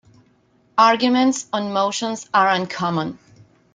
Arguments on motions are uncommon.